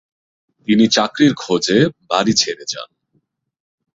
তিনি চাকরির খোঁজে বাড়ি ছেড়ে যান।